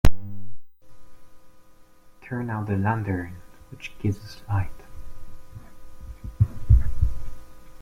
Turn out the lantern which gives us light.